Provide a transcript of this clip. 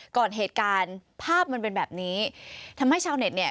เหตุการณ์ภาพมันเป็นแบบนี้ทำให้ชาวเน็ตเนี่ย